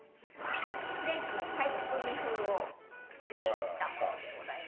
フレンチのパイ包み風をイメージしたものでございます。